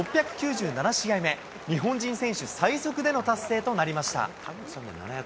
６９７試合目、日本人選手最速での達成となりました。